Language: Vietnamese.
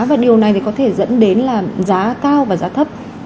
và điều này thì có thể dẫn đến là giá cao và giá thấp